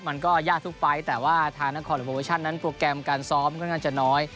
มันก็ยากทุกฟัยแต่ว่าทางวิซีโปรแชนท์นั้นโปรแกรมการซ้อมก็น่าจะน้อย